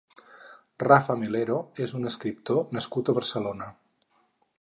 Rafa Melero és un escriptor nascut a Barcelona.